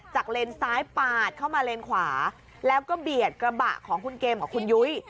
เลนซ้ายปาดเข้ามาเลนขวาแล้วก็เบียดกระบะของคุณเกมกับคุณยุ้ย